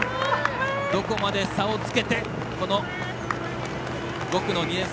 どこまで差をつけて５区の２年生。